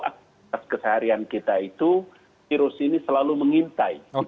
aktivitas keseharian kita itu virus ini selalu mengintai